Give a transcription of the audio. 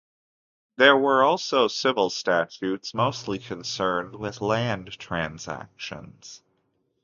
There were also civil statutes, mostly concerned with land transactions.